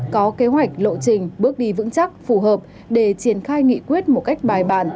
có kế hoạch lộ trình bước đi vững chắc phù hợp để triển khai nghị quyết một cách bài bản